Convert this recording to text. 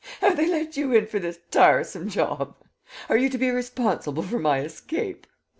Have they let you in for this tiresome job? Are you to be responsible for my escape?